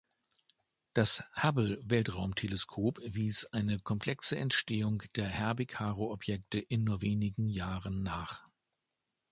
Das Hubble-Weltraumteleskop wies eine komplexe Entstehung der Herbig-Haro-Objekte in nur wenigen Jahren nach.